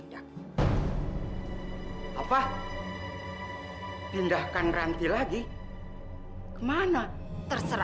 dan seperti yang anda saksikan bersama